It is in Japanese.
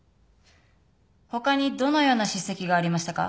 他にどのような叱責がありましたか？